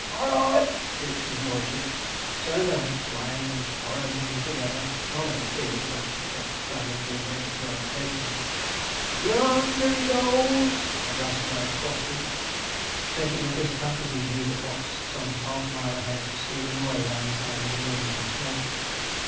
'F o r rard!' screeched his lordship. So they went flying and 'forrarding' together; none of the field thanks to Jack Spraggon being able to overtake them. 'Y o o nder he goes!' at last cried Frosty, taking off his cap as he viewed the fox, some half mile ahead, stealing away round the side of Newington Hill.